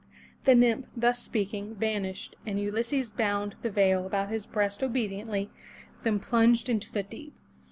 The nymph, thus speaking, vanished and Ulysses bound the veil about his breast obediently, then plunged into the deep.